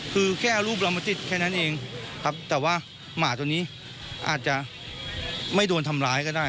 คือแก้รูปเรามาติดแค่นั้นเองครับแต่ว่าหมาตัวนี้อาจจะไม่โดนทำร้ายก็ได้